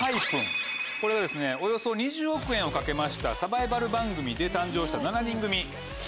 これがおよそ２０億円をかけましたサバイバル番組で誕生した７人組。